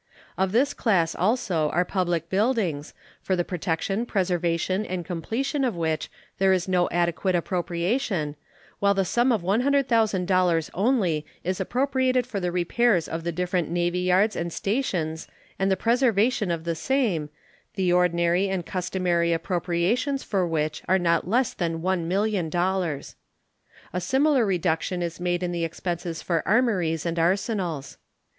Of this class also are public buildings, for the protection, preservation, and completion of which there is no adequate appropriation, while the sum of $100,000 only is appropriated for the repairs of the different navy yards and stations and the preservation of the same, the ordinary and customary appropriations for which are not less than $1,000,000. A similar reduction is made in the expenses for armories and arsenals.